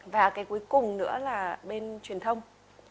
và cái cuối cùng nữa là bên truyền thông